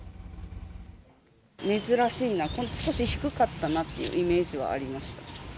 珍しいな、少し低かったなっていうイメージはありました。